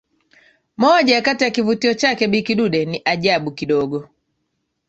Moja Kati ya kivutio chake Bi kidude ni ajabu kidogo